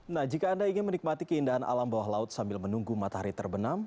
nah jika anda ingin menikmati keindahan alam bawah laut sambil menunggu matahari terbenam